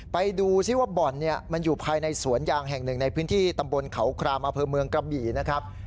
ไปดูซิว่าบ่อนเนี่ยมันอยู่ภายในสวนยางแห่งหนึ่งในพื้นที่ตำบลเขาครามอำเภอเมืองกระบี่นะครับ